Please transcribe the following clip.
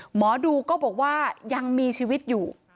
หมอดูก็บอกว่ายังมีชีวิตอยู่